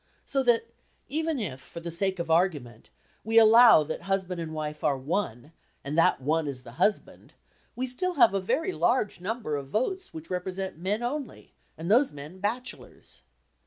So that, even if, for the sake of argument, we allow that husband and wife are one, and that one is the husband, we still have a very large number of votes which represent men only, and those men bachelors.